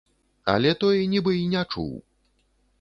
Але той нібы і не чуў.